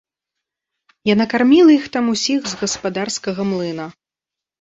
Яна карміла іх там усіх з гаспадарскага млына.